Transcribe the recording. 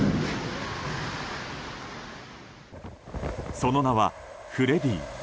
その名はフレディ。